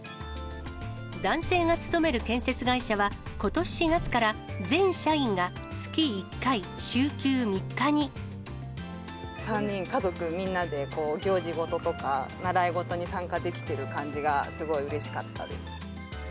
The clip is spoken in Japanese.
男性が勤める建設会社は、ことし４月から、３人家族みんなで、行事ごととか習い事に参加できている感じがすごいうれしかったです。